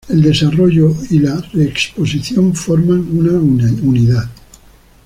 El desarrollo y la reexposición forman una unidad.